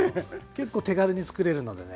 結構手軽につくれるのでね